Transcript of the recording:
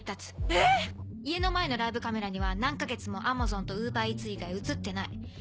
えっ⁉家の前のライブカメラには何か月もＡｍａｚｏｎとＵｂｅｒＥａｔｓ以外写ってない。